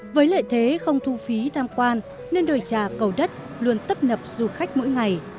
với lợi thế không thu phí tham quan nên đồi trà cầu đất luôn tấp nập du khách mỗi ngày